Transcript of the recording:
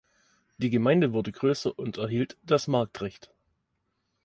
Die Gemeinde wurde größer und erhielt das Marktrecht.